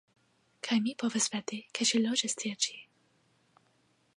Kaj mi povas veti, ke ŝi loĝas tie ĉi!